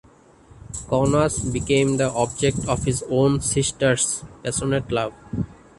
Caunus became the object of his own sister's passionate love.